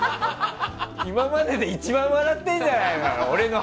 今までで一番笑ってるんじゃねえの？